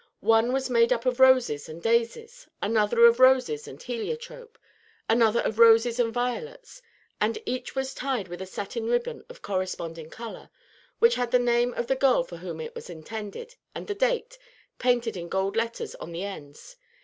One was made up of roses and daisies, another of roses and heliotrope, another of roses and violets; and each was tied with a satin ribbon of corresponding color, which had the name of the girl for whom it was intended, and the date, painted in gold letters on the ends.